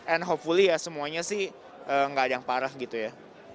and hopefully ya semuanya sih nggak ada yang parah gitu ya